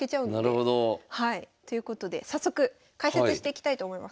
なるほど。ということで早速解説していきたいと思います。